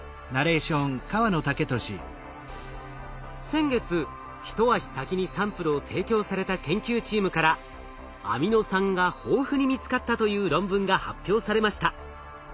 先月一足先にサンプルを提供された研究チームからアミノ酸が豊富に見つかったという論文が発表されました。